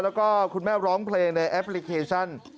แล้วก็คุณแม่ร้องเพลงในแอปพลิเคชัน